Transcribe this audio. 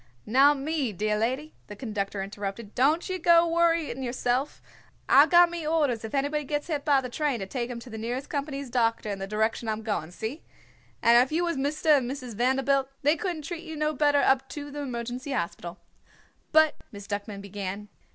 "Now, me dear lady," the conductor interrupted, "don't ye go worritin' yerself. I've got me orders if anybody gets hit be the train to take him to the nearest company's doctor in the direction I'm goin'. See? And if you was Mister and Missus Vanderbilt, they couldn't treat you no better up to the Emergency Hospital." "But " Miss Duckman began.